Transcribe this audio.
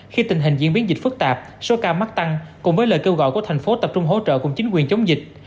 khi tình hình diễn biến dịch phức tạp số ca mắc tăng cùng với lời kêu gọi của thành phố tập trung hỗ trợ cùng chính quyền chống dịch